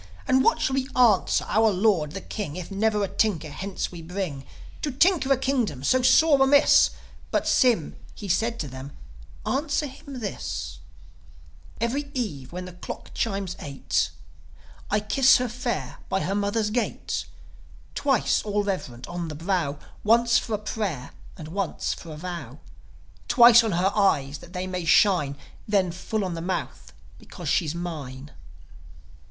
And what shall we answer our Lord the King If never a tinker hence we bring, To tinker a kingdom so sore amiss?" But Sym, he said to them, "Answer him this: 'Every eve, when the clock chimes eight, I kiss her fair, by her mother's gate: Twice, all reverent, on the brow Once for a pray'r, and once for a vow; Twice on her eyes that they may shine, Then, full on the mouth because she's mine."'